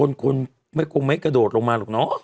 คนคุณไม่คงไม่กระโดดลงมาหรอกเนอะ